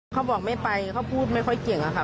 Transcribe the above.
เขาบอกไม่ไปเขาพูดไม่ค่อยเก่งอะค่ะ